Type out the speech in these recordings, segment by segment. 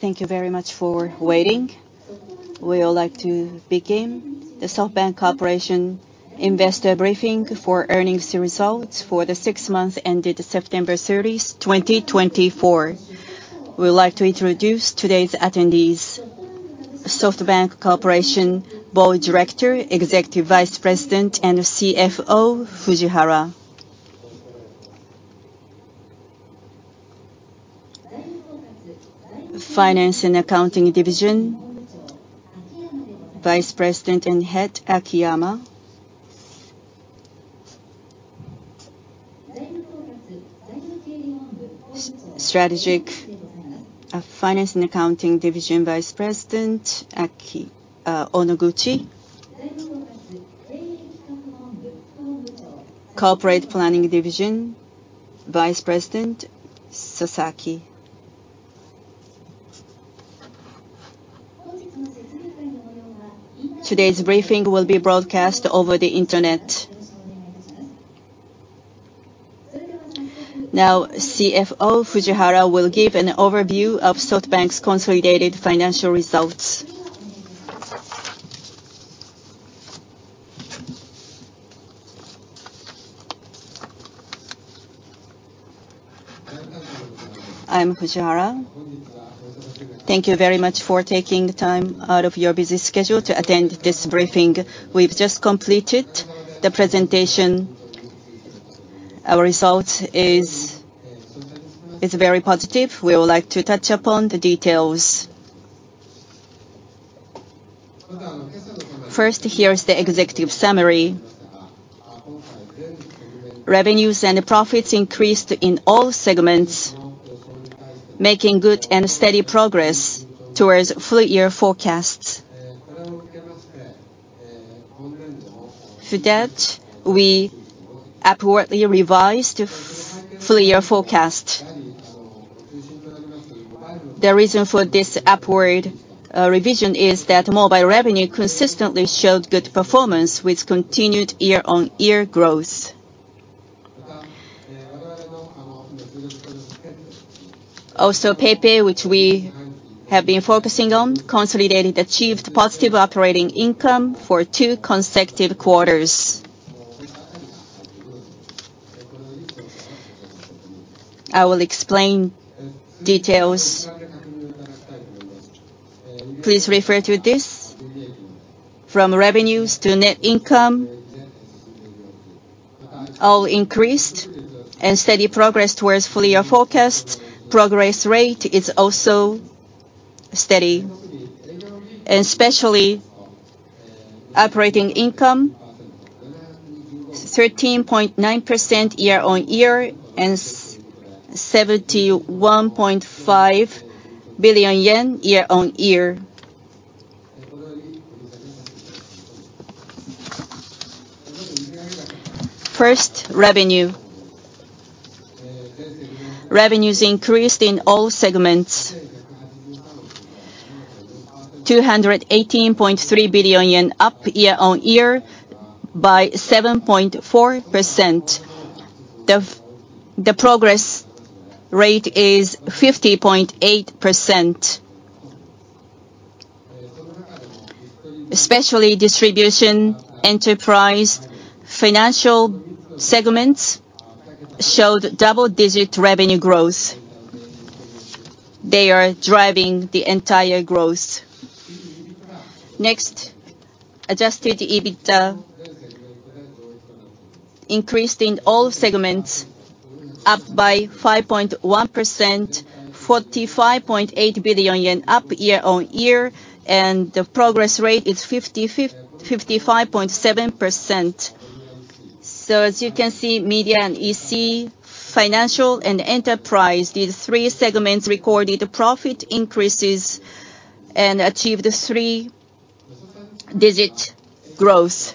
Thank you very much for waiting. We would like to begin the SoftBank Corporation investor briefing for earnings results for the six months ended September 30, 2024. We'd like to introduce today's attendees. SoftBank Corporation Board Director, Executive Vice President, and CFO Fujihara. Finance and Accounting Division Vice President and Head Akiyama. Strategic Finance and Accounting Division Vice President Onoguchi. Corporate Planning Division Vice President Sasaki. Today's briefing will be broadcast over the Internet. Now CFO Fujihara will give an overview of SoftBank's consolidated financial results. I'm Fujihara. Thank you very much for taking the time out of your busy schedule to attend this briefing. We've just completed the presentation. Our results is very positive. We would like to touch upon the details. First. Here is the executive summary. Revenues and profits increased in all segments making good and steady progress towards full-year forecasts. For that we upwardly revised full-year forecast. The reason for this upward revision is that mobile revenue consistently showed good performance with continued year-on-year growth. Also PayPay, which we have been focusing on consolidated achieved positive operating income for two consecutive quarters. I will explain details. Please refer to this. From revenues to net income all increased and steady progress towards full-year forecast progress rate is also steady and especially operating income 13.9% year-on-year and JPY 71.5 billion year-on-year. First, revenues increased in all segments 218.3 billion yen up year-on-year by 7.4%. The progress rate is 50.8% especially Distribution Enterprise Financial segments showed double-digit revenue growth. They are driving the entire growth. Next, Adjusted EBITDA increased in all segments up by 5.1% 45.8 billion yen up year-on-year and the progress rate is 55.7%. As you can see, Media and EC, followed by Financial and Enterprise, these three segments recorded profit increases and achieved three-digit growth.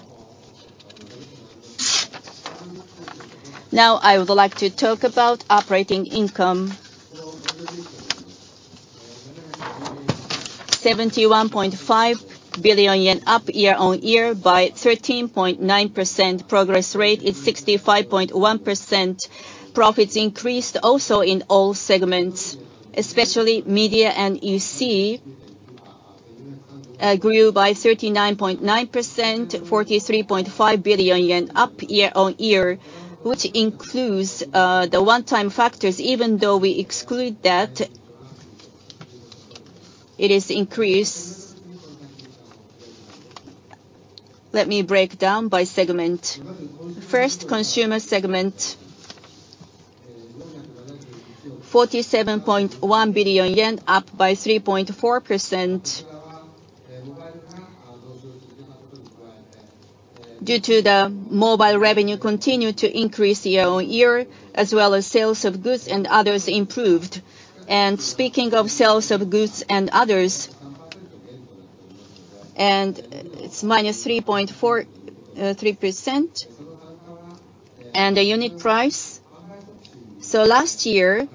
Now I would like to talk about operating income. 71.5 billion yen, up year-on-year by 13.9%; progress rate, it's 65.1%. Profits increased also in all segments; especially Media and EC grew by 39.9%, 43.5 billion yen up year-on-year, which includes the one-time factors; even though we exclude that, it is increase. Let me break down by segment. First, Consumer segment, 47.1 billion yen, up by 3.4%. Due to the mobile revenue continue to increase year-on-year, as well as sales of goods and others improved. Speaking of sales of goods and others, it's minus 3.4, 3% and the unit price. Last year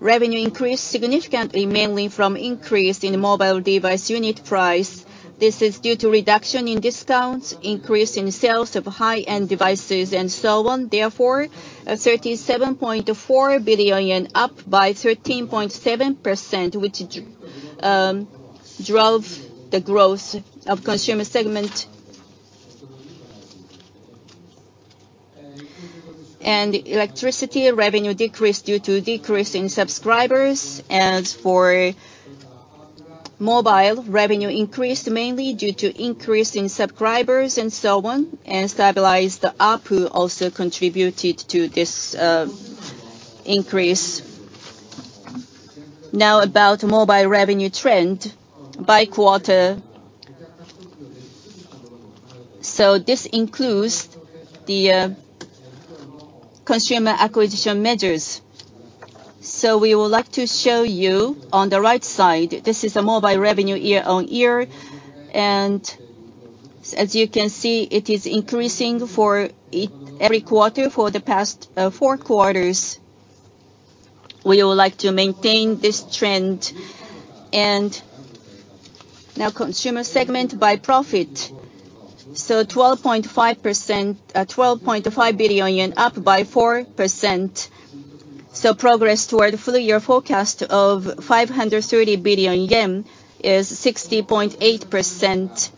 revenue increased significantly, mainly from increase in mobile device unit price. This is due to reduction in discounts, increase in sales of high-end devices and so on. Therefore 37.4 billion yen up to by 13.7% which drove the growth of Consumer segment. Electricity revenue decreased due to decrease in subscribers. As for mobile, revenue increased mainly due to increase in subscribers and so on and stabilized. Apple also contributed to this increase. Now about mobile revenue trend by quarter. This includes the consumer acquisition measures. We would like to show you on the right side, this is a mobile revenue year-on-year and as you can see it is increasing for every quarter for the past four quarters. We would like to maintain this trend. Now Consumer segment by profit so 12.5% 12.5 billion yen up by 4%. Progress toward full-year forecast of 530 billion yen is 60.8%.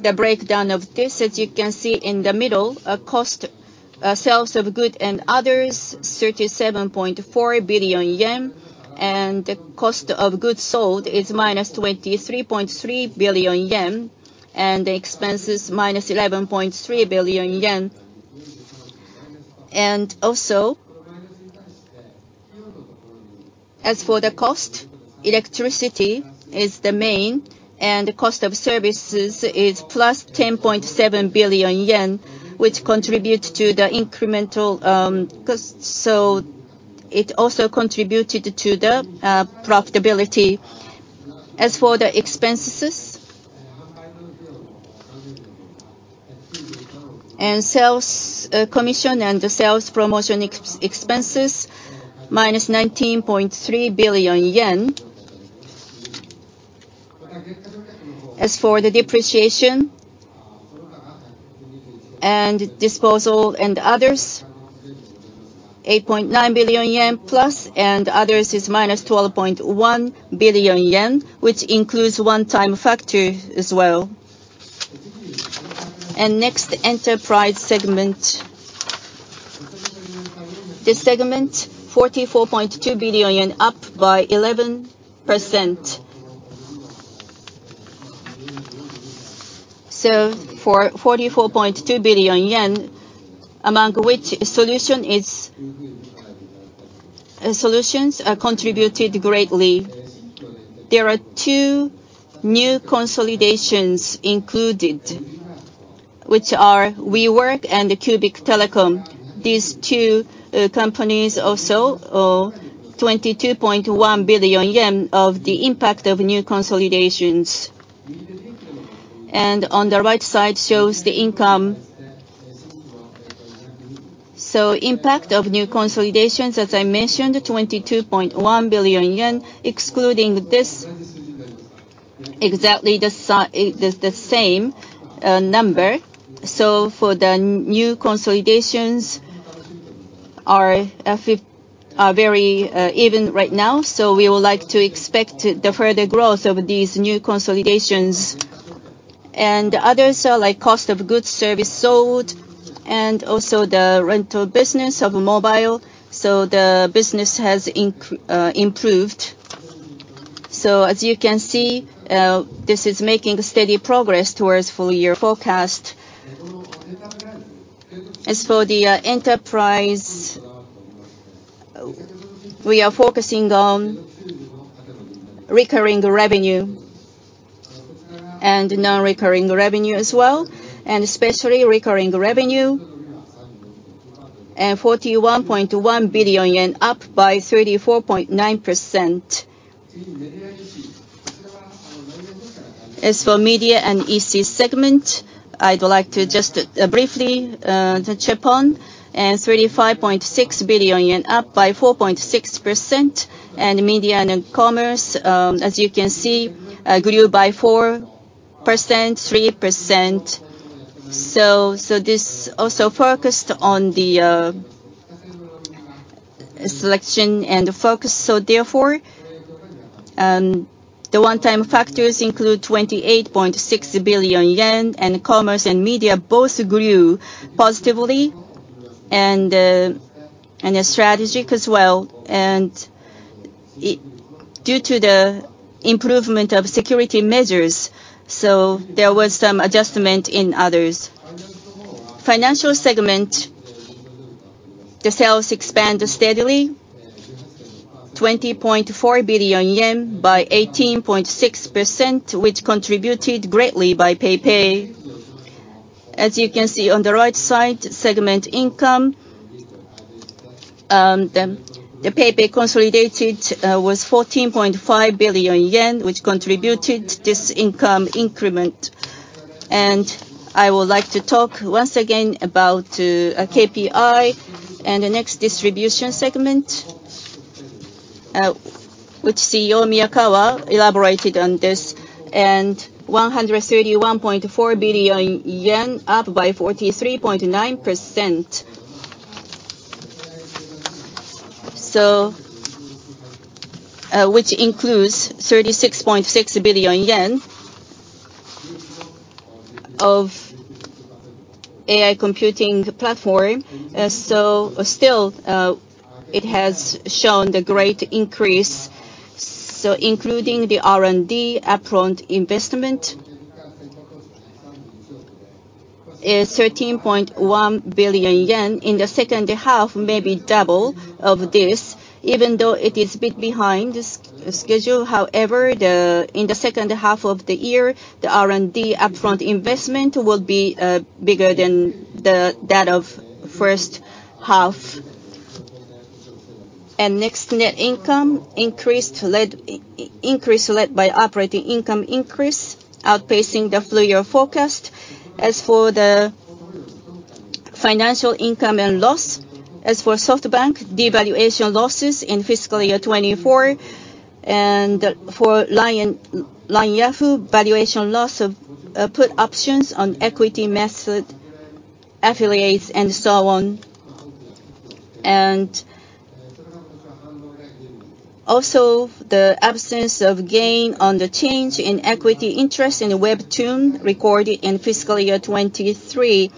The breakdown of this, as you can see, in the middle, cost of sales of goods and others 37.4 billion yen and cost of goods sold is minus 23.3 billion yen and expenses minus 11.3 billion yen. Also, as for the cost, electricity is the main and the cost of services is plus 10.7 billion yen, which contribute to the incremental costs, so it also contributed to the profitability. As for the expenses, sales commission and the sales promotion expenses minus 19.3 billion yen. As for the depreciation and disposal and others 8.9 billion yen plus and others is minus 12.1 billion yen, which includes one-time factor as well. Next, Enterprise segment, this segment 44.2 billion yen up by 11%. For 44.2 billion yen, among which solutions business contributed greatly. There are two new consolidations included, which are WeWork and Cubic Telecom. These two companies also 22.1 billion yen of the impact of new consolidations, and on the right side shows the income so impact of new consolidations. As I mentioned, 22.1 billion yen excluding this exactly the same number, so for the new consolidations are very even right now, so we would like to expect the further growth of these new consolidations and others are like cost of goods and services sold and also the rental business of mobile, so the business has improved, so as you can see, this is making steady progress towards full-year forecast. As for the Enterprise, we are focusing on recurring revenue and non-recurring revenue as well, and especially recurring revenue and 41.1 billion yen up by 34.9%. As for Media and EC segment, I'd like to just briefly touch upon 35.6 billion yen, up by 4.6%, and media and commerce, as you can see, grew by 4.3%. This also focused on the selection and the focus. The one-time factors include 28.6 billion yen, and commerce and media both grew positively and strategically as well and due to the improvement of security measures. There was some adjustment in other Financial segment. The sales expand steadily 20.4 billion yen by 18.6%, which contributed greatly by PayPay as you can see on the right side. Segment income, the PayPay consolidated, was 14.5 billion yen, which contributed this income incremental. I would like to talk once again about KPI and the next Distribution segment which CEO Miyakawa elaborated on this and 131.4 billion yen up by 43.9% so which includes 36.6 billion yen of AI Computing Platform. So still it has shown the great increase. So including the R&D upfront investment 13.1 billion yen in the second half maybe double of this even though it is a bit behind schedule. However, in the second half of the year the R&D upfront investment will be bigger than that of first half and next net income increased led by operating income increase outpacing the full-year forecast. As for the financial income and loss, as for SoftBank devaluation losses in fiscal year 2024 and for LINE Yahoo valuation loss of put options on equity method affiliates and so on. And also the absence of gain on the change in equity interest in Webtoon recorded in fiscal year 2023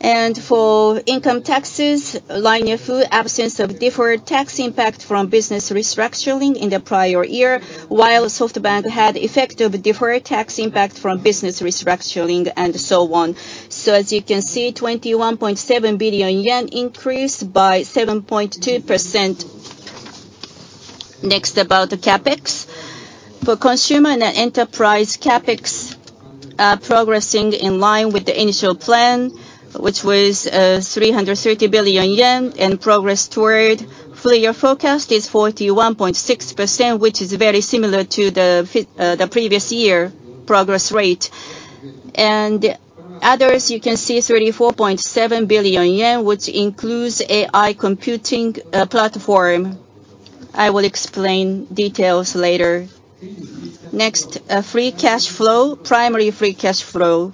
and for income taxes line of absence of deferred tax impact from business restructuring in the prior year while SoftBank had effect of deferred tax impact from business restructuring and so on. So as you can see, 21.7 billion yen increased by 7.2%. Next, about the Capex for Consumer and Enterprise Capex progressing in line with the initial plan which was 330 billion yen and progress toward full-year forecast is 41.6% which is very similar to the previous year progress rate and others. You can see 34.7 billion yen which includes AI Computing Platform. I will explain details later. Next, Free Cash Flow Primary Free Cash Flow.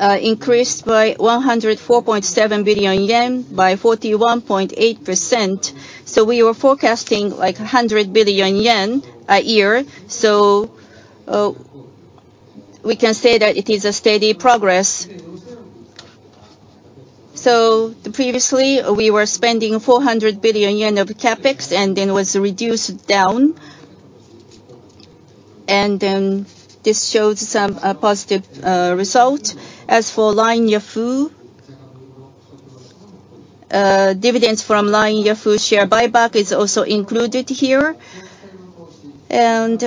Increased by 104.7 billion yen by 41.8%. So we were forecasting like 100 billion yen a year so we can say that it is a steady progress. So previously we were spending 400 billion yen of Capex and then was reduced down and then this shows some positive result. As for LINE Yahoo dividends from LINE Yahoo share buyback is also included here and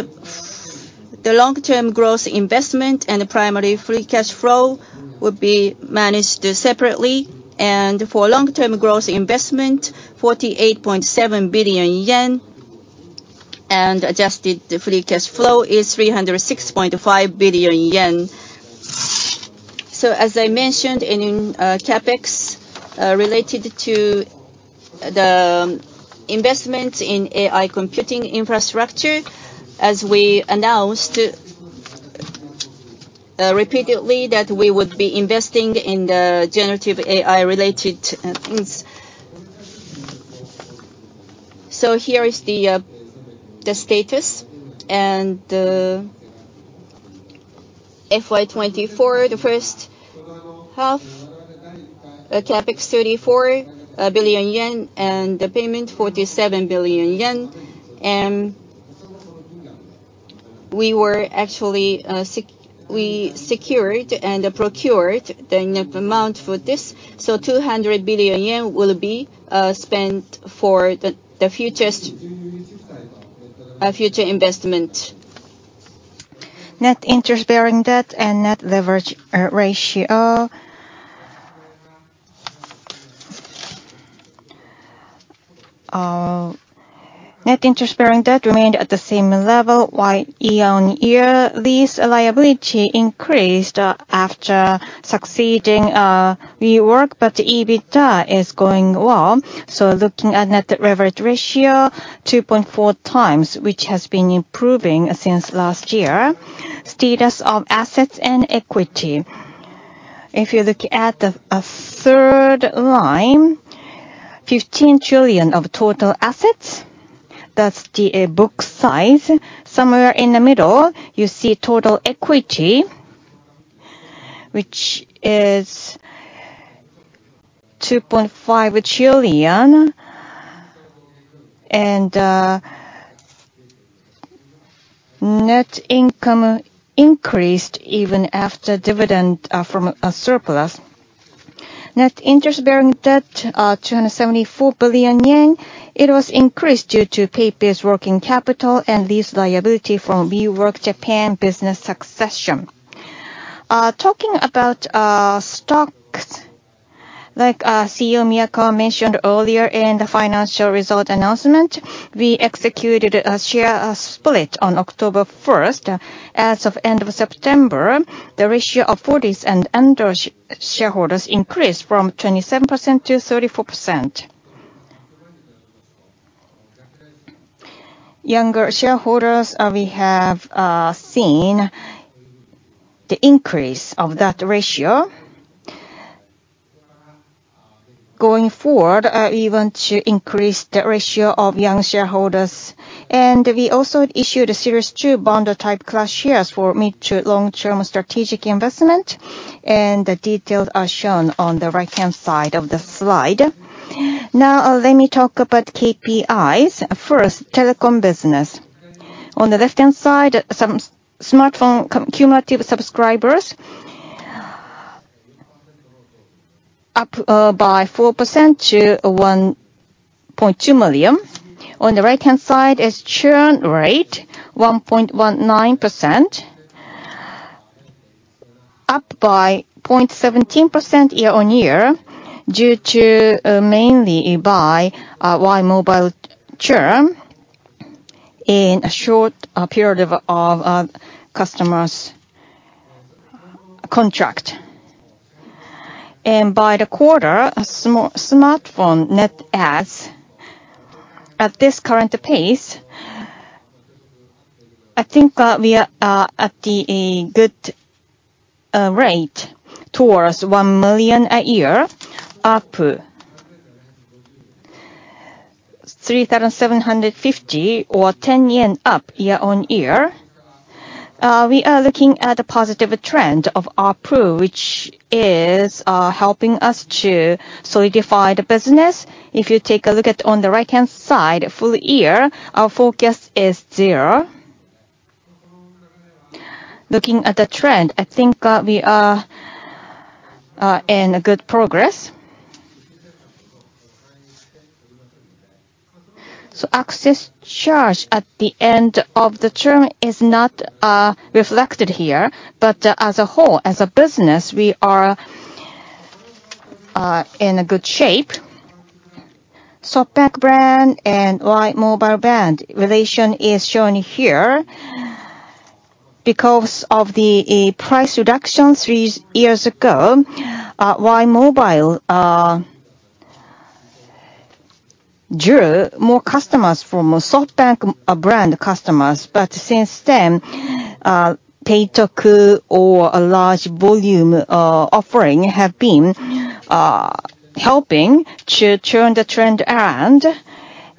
the Long-term Growth Investment and the Primary Free Cash Flow would be managed separately and for Long-term Growth Investment 48.7 billion yen and Adjusted Free Cash Flow is 306.5 billion yen. As I mentioned in Capex related to the investment in AI computing infrastructure as we announced repeatedly that we would be investing in the generative AI related things, so here is the status. In FY24 the first half Capex 34 billion yen and the payment 47 billion yen. We actually secured and procured the amount for this, so 200 billion yen will be spent for the future investment. Net interest-bearing debt and net leverage ratio. Net interest-bearing debt remained at the same level while year-on-year this liability increased after succeeding WeWork, but EBITDA is going well so looking at net leverage ratio 2.4x which has been improving since last year. Status of assets and equity if you look at a third line 15 trillion of total assets that's the book size. Somewhere in the middle you see total equity which is JPY 2.5 trillion and net income increased even after dividend from a surplus. Net interest-bearing debt 274 billion yen. It was increased due to PayPay's working capital and lease liability. From the WeWork Japan business succession. Talking about stocks, like CEO Miyakawa mentioned earlier in the financial results announcement, we executed a share split on October 4th. First, as of the end of September, the ratio of foreign and individual shareholders increased from 27% to 34%. Individual shareholders, we have seen the increase of that ratio. Going forward even to increase the ratio of individual shareholders, and we also issued Series 2 Bond-Type Class Shares for mid- to long-term strategic investment, and the details are shown on the right-hand side of the slide. Now let me talk about KPIs. First, telecom business. On the left-hand side, our smartphone cumulative subscribers up by 4% to 1.2 million. On the right hand side is churn rate 1.19% up by 0.17% year-on-year due to mainly Y!mobile churn in a short period of customers contract and by the quarter smartphone net adds at this current pace I think we are at a good rate towards 1 million a year up 37.50 or 10 yen up year-on-year we are looking at a positive trend of ARPU which is helping us to solidify the business. If you take a look at on the right hand side full-year our forecast is there. Looking at the trend, I think we are in a good progress. So access charge at the end of the term is not reflected here but as a whole as a business we are. In good shape, SoftBank brand and Y!mobile brand relation is shown here because of the price reduction three years ago. Y!mobile drew more customers from SoftBank brand customers, but since then Pay-toku or a large volume offering have been helping to turn the trend around.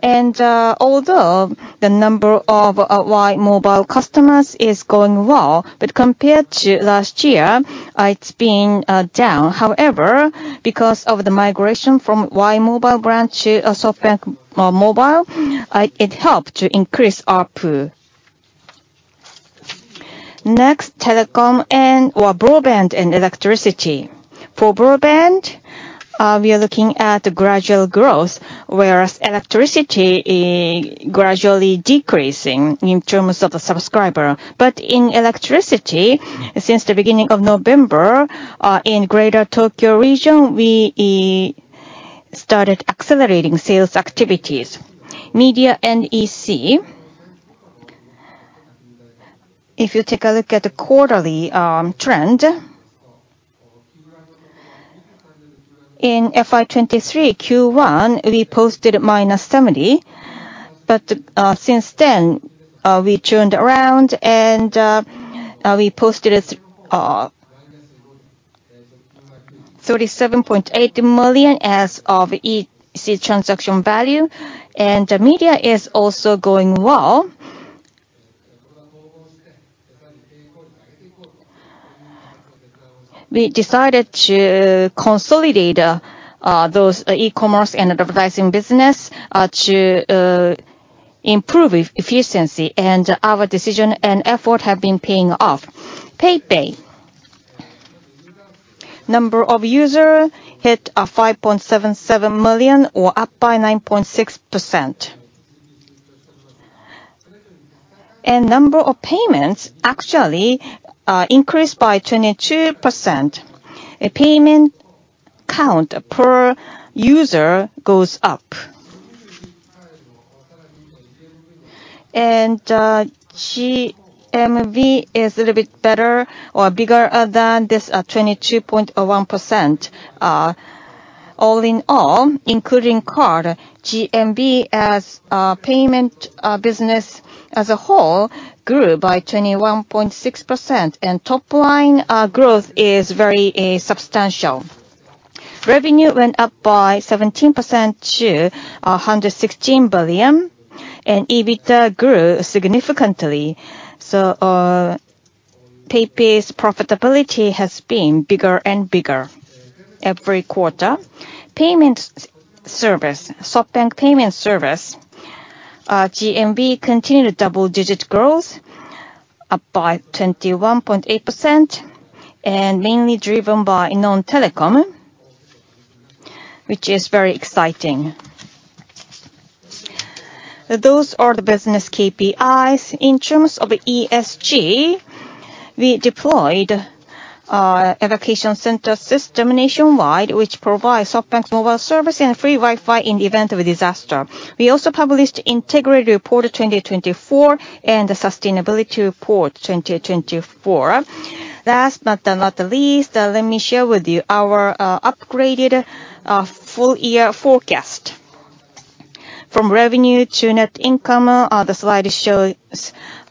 Although the number of Y!mobile customers is going well, but compared to last year it's been down. However, because of the migration from Y!mobile brand to SoftBank mobile, it helped to increase ARPU. Next, telecom and our broadband and electricity. For broadband, we are looking at gradual growth, whereas electricity is gradually decreasing in terms of the subscriber, but in electricity, since the beginning of November in Greater Tokyo region, we started accelerating sales activities. Media and EC, if you take a look at the quarterly trend in FY2023 Q1, we posted minus 70 million, but since then we turned around and we posted 37.8 million as of EC transaction value, and media is also going well. We decided to consolidate those e-commerce and advertising business to improve efficiency, and our decision and effort have been paying off. PayPay number of user hit 5.77 million or up by 9.6%, and number of payments actually increased by 22%. A payment count per user goes up, and GMV is a little bit better or bigger than this 22.1%. All in all, including card, GMV as payment business as a whole grew by 21.6% and top line growth is very substantial. Revenue went up by 17% to 116 billion and EBITDA grew significantly. So PayPay's profitability has been bigger and bigger every quarter. PayPay, SoftBank Payment Service GMV continued double digit growth up by 21.8% and mainly driven by non telecom which is very exciting. Those are the business KPIs. In terms of ESG, we deployed evacuation center system nationwide which provides SoftBank's mobile service and free Wi-Fi in the event of a disaster. We also published Integrated Report 2024 and the Sustainability Report 2024. Last but not the least, let me share with you our upgraded full-year forecast from revenue to net income. The slide shows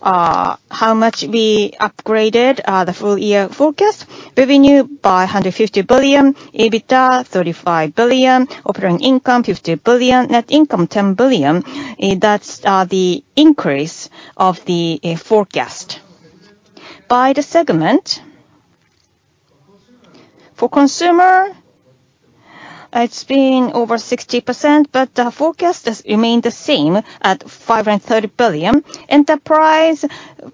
how much we upgraded the full-year forecast revenue by 150 billion EBITDA 35 billion operating income 50 billion net income 10 billion. That's the increase of the forecast by the segment for Consumer. It's been over 60% but forecast remain the same at 530 billion. Enterprise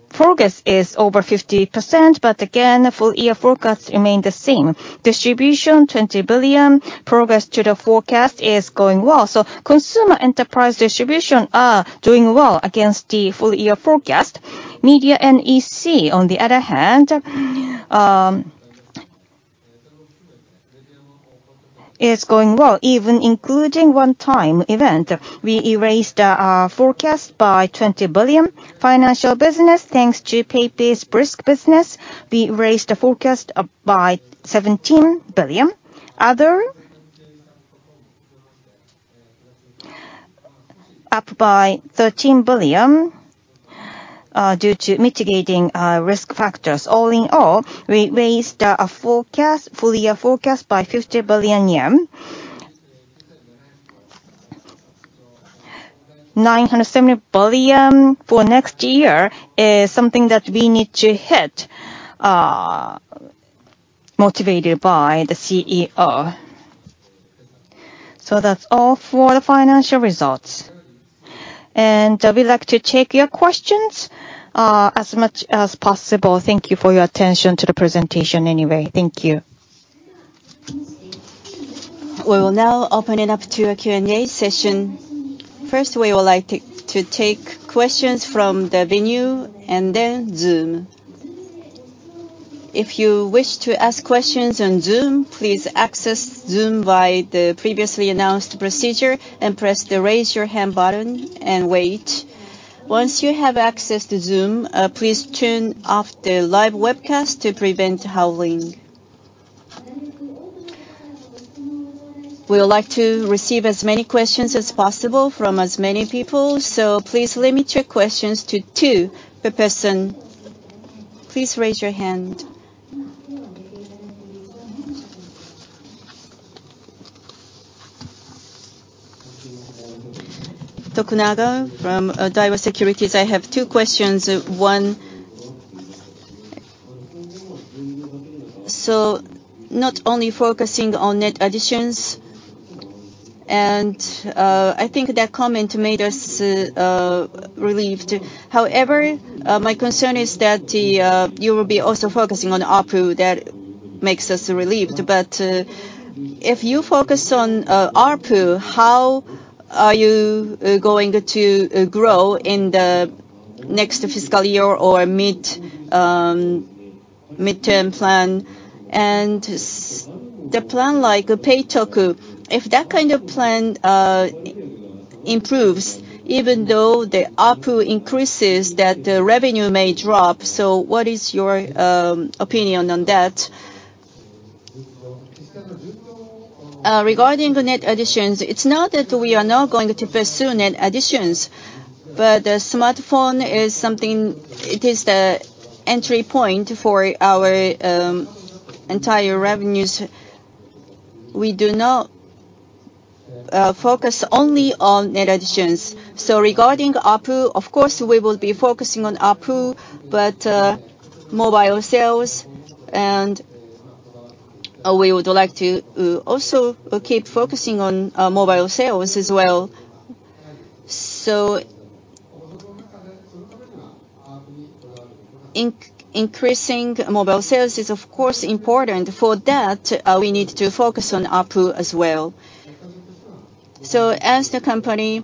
progress is over 50% but again full-year forecasts remain the same. Distribution 20 billion progress to the forecast is going well. So Consumer Enterprise Distribution are doing well against the full-year forecast. Media & EC on the other hand is going well even including one-time event. We revised forecast by 20 billion. Financial business thanks to PayPay's brisk business, we raised the forecast up by 17 billion. Other up by 13 billion due to mitigating risk factors. All in all, we raised the full-year forecast by JPY 50 billion. 970 billion for next year is something that we need to hit, motivated by the CEO. So that's all for the financial results and we'd like to take your questions as much as possible. Thank you for your attention to the presentation. Anyway, thank you. We will now open it up to a Q and A session. First, we would like to take questions from the venue and then Zoom. If you wish to ask questions on Zoom, please access Zoom via the previously announced procedure and press the raise your hand button and wait. Once you have access to Zoom, please turn off the live webcast to prevent howling. We would like to receive as many questions as possible from as many people, so please limit your questions to two per person. Please raise your hand. Tokunaga from Daiwa Securities. I have two questions. One. So not only focusing on net additions and I think that comment made us relieved. However, my concern is that you will be also focusing on ARPU. That makes us relieved. But if you focus on ARPU, how are you going to grow in the next fiscal year or mid-term plan? And the plan like Pay-toku, if that kind of plan improves even though the ARPU increases, that the revenue may drop. So what is your opinion on that regarding net additions? It's not that we are not going to pursue net additions, but the smartphone is something it is the entry point for our entire revenues. We do not focus only on net additions. So regarding ARPU, of course we will be focusing on ARPU but mobile sales and we would like to also keep focusing on mobile sales as well. So. Increasing mobile sales is of course important. For that we need to focus on ARPU as well. So as the company's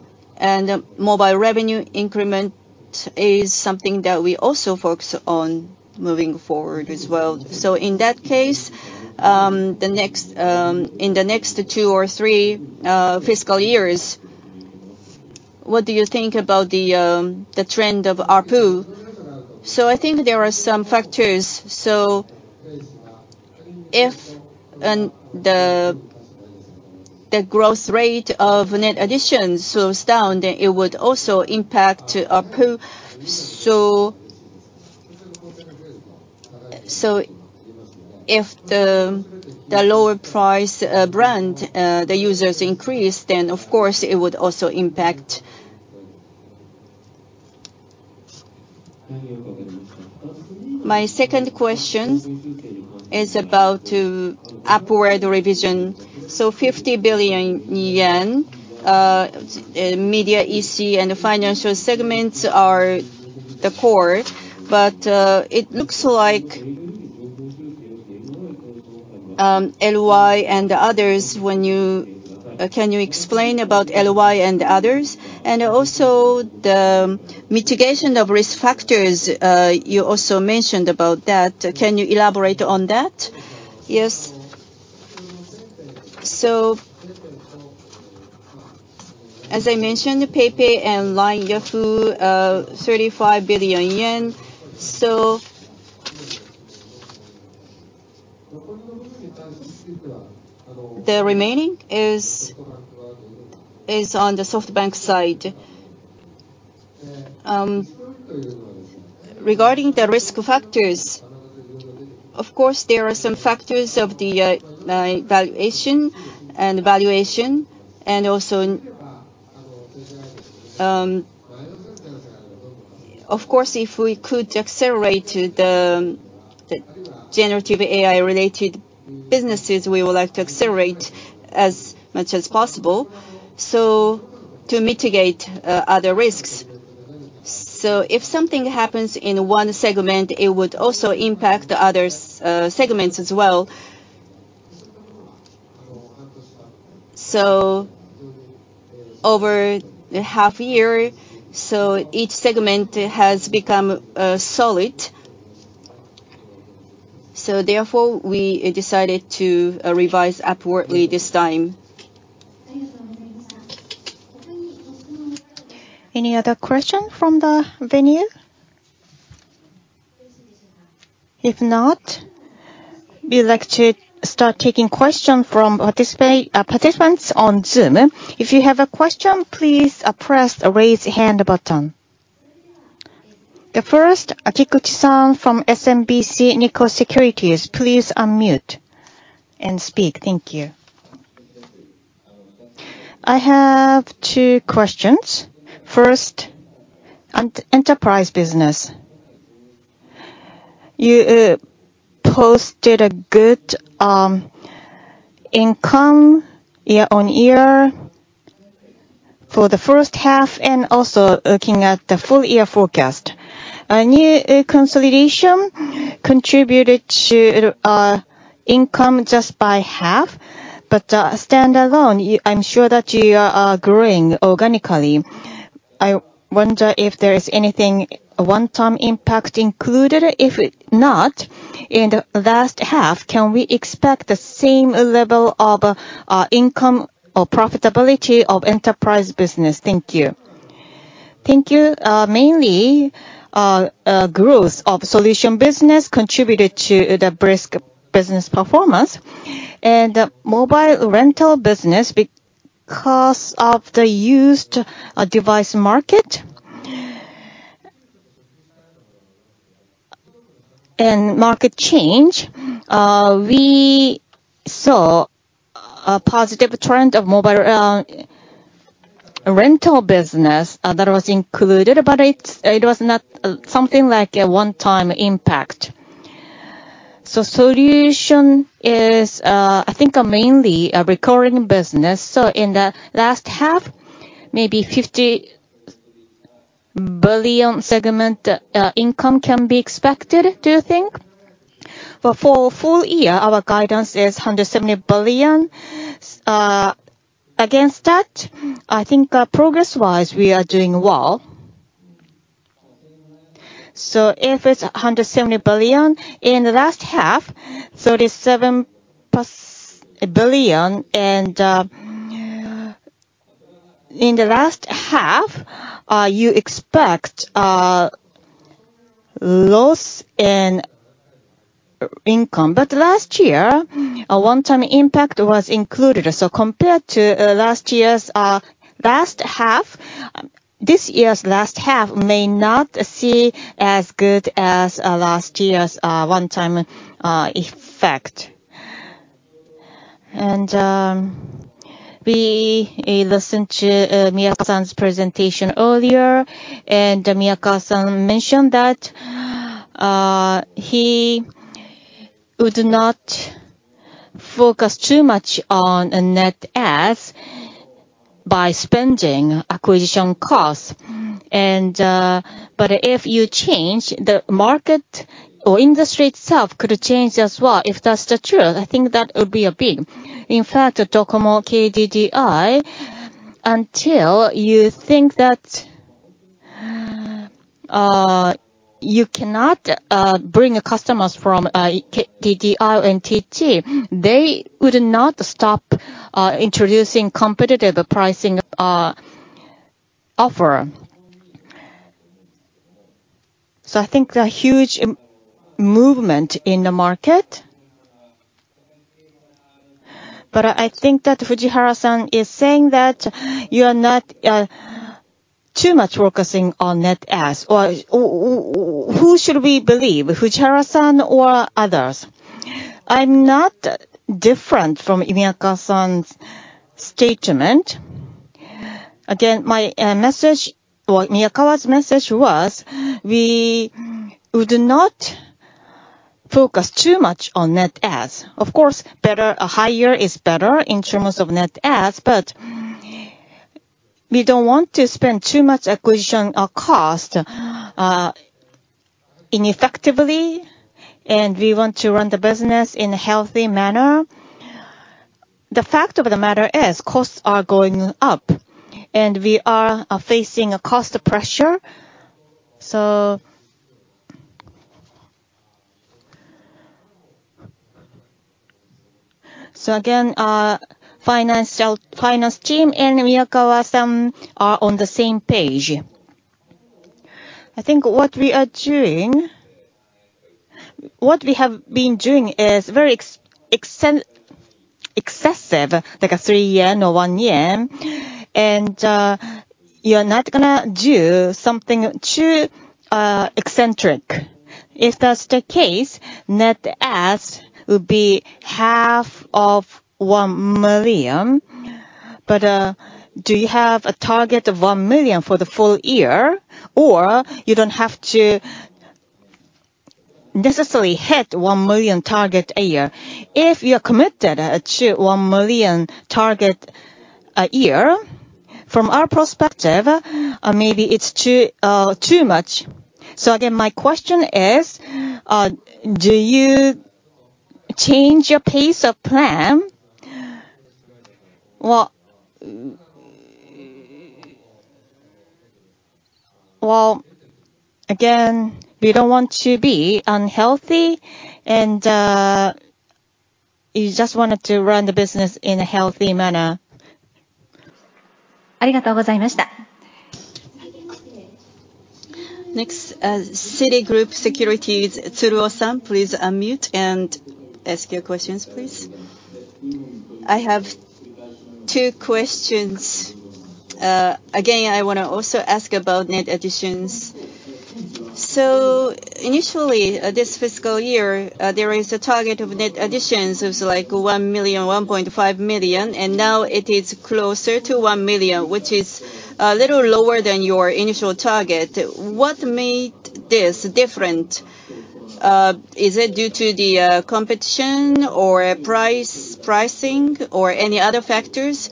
mobile revenue increment is something that we also focus on moving forward as well. So in that case in the next two or three fiscal years. What do you think about the trend of ARPU? So I think there are some factors. So if the growth rate of net addition slows down, then it would also impact ARPU. So if the lower price brand the users increase, then of course it would also impact. My second question is about upward revision. So 50 billion yen Media EC and financial segments are the core. But it looks like LY and others. Can you explain about LY and others and also the mitigation of risk factors. You also mentioned about that. Can you elaborate on that? Yes. So as I mentioned PayPay and LINE Yahoo 35 billion yen. So. The remaining is on the SoftBank side. Regarding the risk factors, of course there are some factors of the valuation. And also, of course if we could accelerate the generative AI related businesses, we would like to accelerate as much as possible to mitigate other risks. If something happens in one segment, it would also impact the other segments as well. Over the half year, each segment has become solid. Therefore we decided to revise upwardly this time. Any other question from the venue? If not, we'd like to start taking questions from participants on Zoom. If you have a question, please press raise hand button. The first, Satoru Kikuchi-san from SMBC Nikko Securities. Please unmute and speak. Thank you. I have two questions. First, Enterprise business, you posted a good income year-on-year for the first half and also looking at the full-year forecast, consolidation contributed to income just by half but standalone. I'm sure that you are growing organically. I wonder if there is anything one-time impact included. If not in the last half, can we expect the same level of income or profitability of enterprise business? Thank you. Thank you. Mainly growth of solution business contributed to the brisk business performance and mobile rental business, cost of the used device market. And market change. We saw a positive trend of mobile rental business that was included but it was not something like a one-time impact. So solution is I think mainly a recurring business. So in the last half maybe 50 billion segment income can be expected. Do you think? For full-year our guidance is 170 billion. Against that I think progress-wise we are doing well. So if it's 170 billion in the last half, so this 70 billion and in the last half you expect loss in income. But last year a one-time impact was included. So compared to last year's last half, this year's last half may not see as good as last year's one-time effect fact. And we listened to Miyakawa's presentation earlier and Miyakawa-san mentioned that he would not focus too much on net adds by spending acquisition costs. But if you change the market or industry itself could change as well. If that's the truth. I think that would be a big impact. In fact, Docomo, KDDI. Do you think? That. You cannot bring customers from KDDI or NTT. They would not stop introducing competitive pricing offer. So I think a huge movement in the market. But I think that Fujihara-san is saying that you are not too much focusing on net adds. Or who should we believe? Fujihara-san or others. I'm not different from Miyakawa's statement. Again, my message, Miyakawa's message was we would not focus too much on net adds. Of course, better higher is better in terms of net adds, but we don't want to spend too much acquisition cost ineffectively, and we want to run the business in a healthy manner. The fact of the matter is costs are going up, and we are facing a cost pressure. So again, finance team and Miyakawa-san are on the same page. I think what we are doing, what we have been doing, is very excessive, like 3 yen or 1 yen, and you're not going to do something too eccentric. If that's the case, net adds would be 500,000. But do you have a target of 1 million for the full-year? Or you don't have to necessarily hit 1 million target a year. If you committed to 1 million target a year from our perspective, maybe it's too too much. So again my question is do you change your pace of plan? Well, again, we don't want to be unhealthy and you just wanted to run the business in a healthy manner. Next, Citigroup Securities. Please unmute and ask your questions, please. I have two questions again. I want to also ask about net additions. So initially this fiscal year there is a target of net additions is like 1 million 1.5 million and now it is closer to 1 million which is a little lower than your initial target. What made this different? Is it due to the competition or price, pricing or any other factors?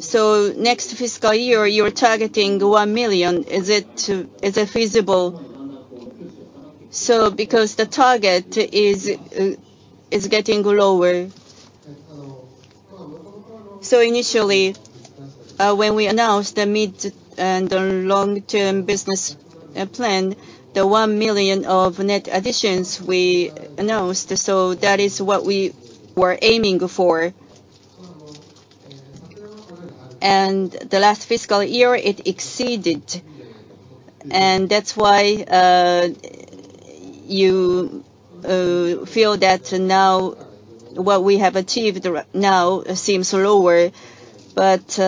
And so next fiscal year you're targeting 1 million, is it feasible? So because the target is getting lower. So initially when we announced the middle and long term business plan, the 1 million of net additions we announced, so that is what we were aiming for and the last fiscal year it exceeded and that's why you feel that now what we have achieved now seems lower, but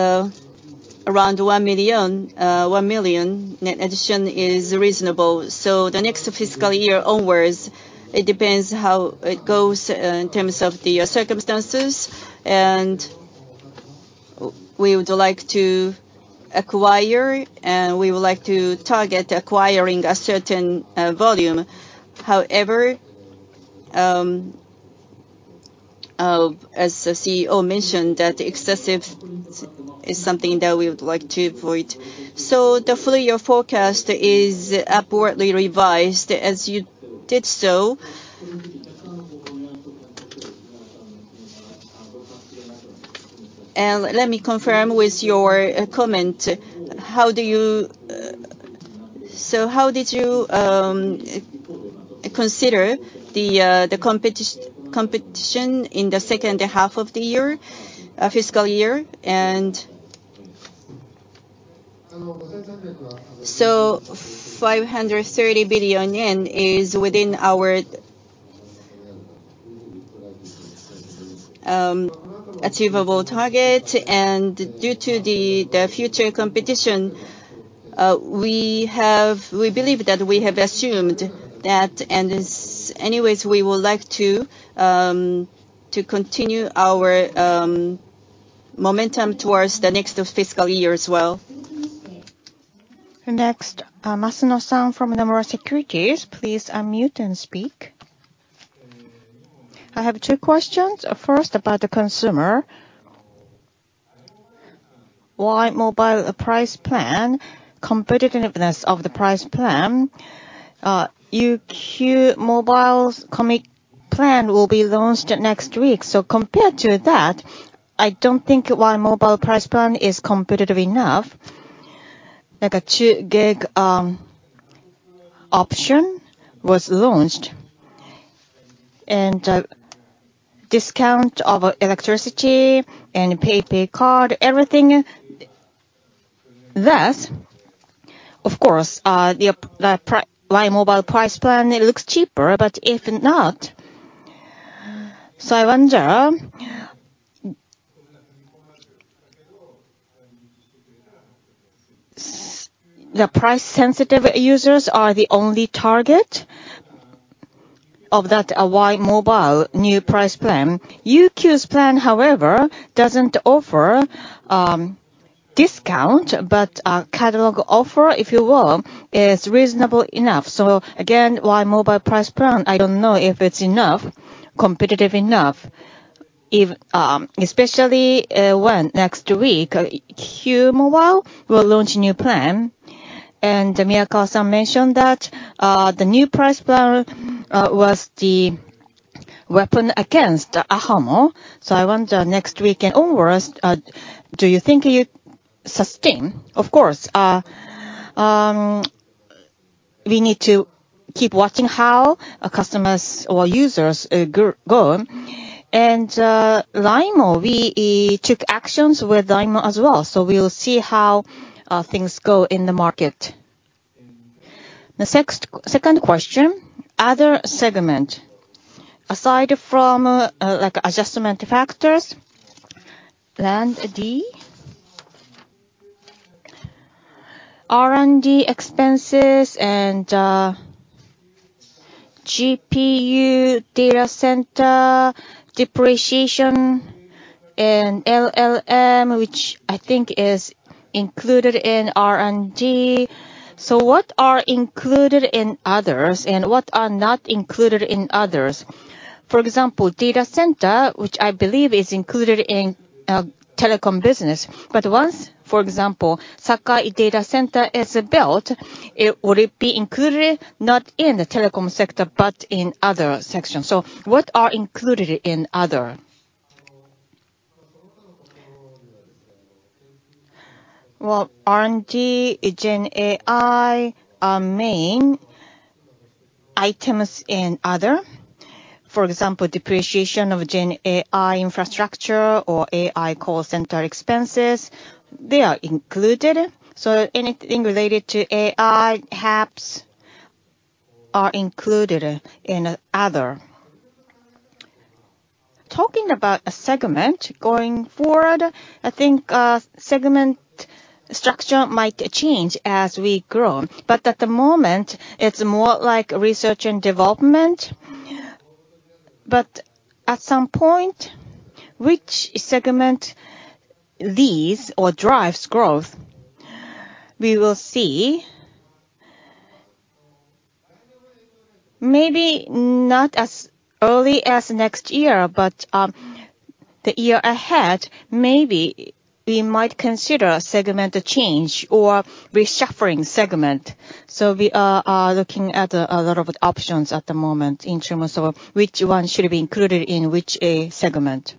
around 1 million. 1 million net addition is reasonable, so the next fiscal year onwards, it depends how it goes in terms of the circumstances, and we would like to acquire and we would like to target acquiring a certain volume. However, as the CEO mentioned, that excessive is something that we would like to avoid, so the full-year forecast is upwardly revised as you did so, and let me confirm with your comment how do you so how did you consider the competition in the second half of the year fiscal year, and so 530 billion yen is within our achievable target, and due to the future competition we believe that we have assumed that, and anyways we would like to continue our momentum towards the next fiscal year as well. Next, Masuno-san from Nomura Securities, please unmute and speak. I have two questions. First, about the Consumer Y!mobile price plan competitiveness of the price plan UQ mobile Komikomi Plan will be launched next week, so compared to that, I don't think LINEMO price plan is competitive enough, like a 2 GB option was launched and discount of electricity and PayPay Card everything. Thus, of course, Y!mobile price plan it looks cheaper, but if not, so I wonder. The price-sensitive users are the only target of that Y!mobile new price plan. UQ's plan, however, doesn't offer discount, but catalog offer, if you will, is reasonable enough. So again Y!mobile price plan. I don't know if it's enough competitive enough, especially when next week UQ mobile will launch new plan and Miyakawa-san mentioned that the new price plan was the weapon against ahamo. So I wonder next week and onwards do you think you sustain. Of course we need to keep watching how customers or users go and LINEMO. We took actions with LINEMO as well so we'll see how things go in the market. The second question other segment aside from like adjustment factors, and R&D expenses and GPU data center depreciation and LLM which I think is included in R&D. So what are included in others and what are not included in others. For example, data center, which I believe is included in telecom business, but once, for example, Sakai Data Center is built, it would be included not in the telecom sector but in other sections. So what are included in other. Well, R&D gen AI are main items and other, for example, depreciation of gen AI infrastructure or AI call center expenses they are included so anything related to AI HAPS are included in other talking about a segment going forward, I think segment structure might change as we grow but at the moment it's more like research and development. But at some point which segment leads or drives growth we will see. Maybe not as early as next year, but the year ahead maybe we might consider segment change or reshuffling segment. So we are looking at a lot of options at the moment in terms of which one should be included in which segment.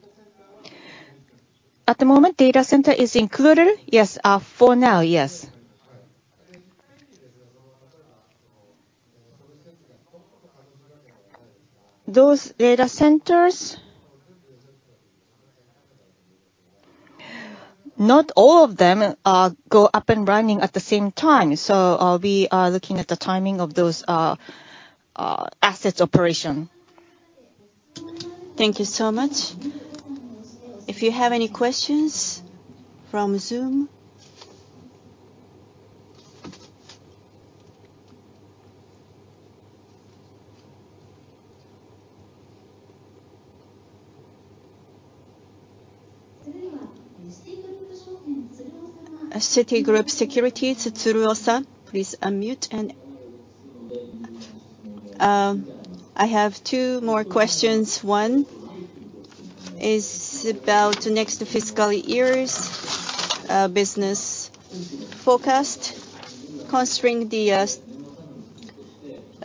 At the moment data center is included? Yes, for now. Yes. Those data centers. Not all of them go up and running at the same time. So we are looking at the timing of those assets operation. Thank you so much. If you have any questions from Zoom, Citigroup Securities Tsuruo, please unmute, and I have two more questions. One is about next fiscal year's business forecast. Considering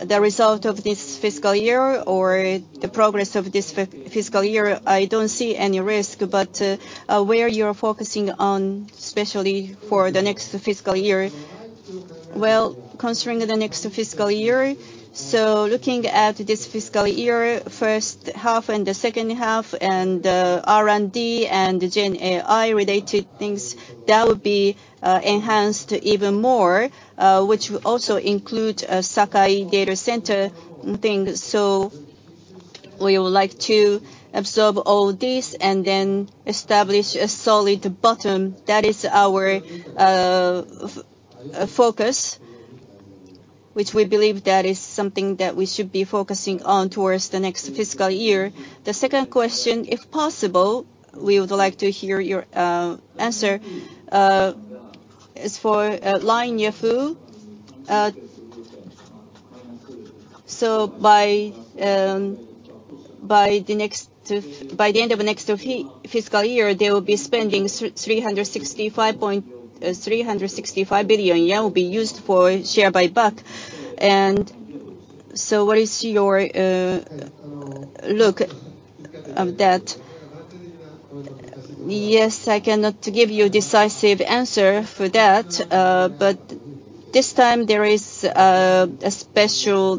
the result of this fiscal year or the progress of this fiscal year, I don't see any risk. But where you're focusing on especially for the next fiscal year, well considering the next fiscal year. So looking at this fiscal year, first half and the second half and R&D and gen AI related things that would be enhanced even more which also include Sakai Data Center things. So we would like to absorb all this and then establish a solid bottom. That is our focus which we believe that is something that we should be focusing on towards the next fiscal year. The second question if possible we would like to hear your answer is for LINE Yahoo. By the end of next fiscal year they will be spending 365 billion yen which will be used for share buyback and so what is your outlook on that? Yes, I cannot give you decisive answer for that but this time there is a special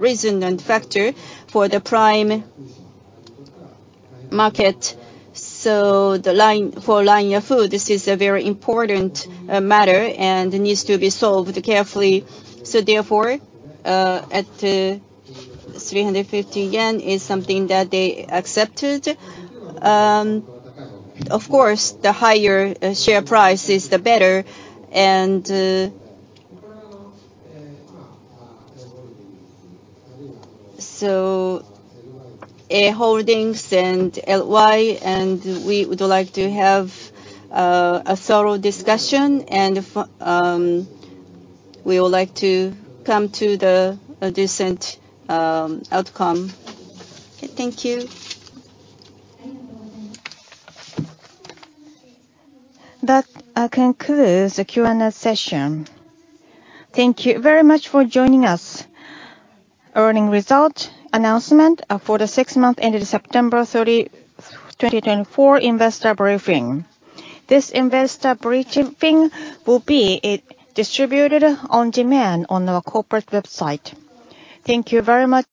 reason and factor for the primary market. For LINE Yahoo this is a very important matter and needs to be solved carefully. Therefore at 350 yen is something that they accepted. Of course, the higher share price is the better and. A Holdings and LY and we would like to have a thorough discussion and we would like to come to the decent outcome. Thank you. That concludes the Q and A session. Thank you very much for joining us. Earnings results announcement for the six months ended September 30, 2024. Investor briefing. This investor briefing will be distributed on demand on our corporate website. Thank you very much.